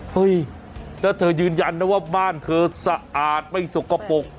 เฮ้ยแล้วเธอยืนยันนะว่าบ้านเธอสะอาดไม่สกปรก